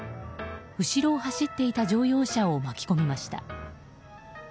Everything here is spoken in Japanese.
後ろを走っていた乗用車を巻き込みました。